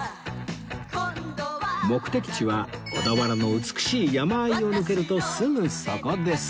目的地は小田原の美しい山あいを抜けるとすぐそこです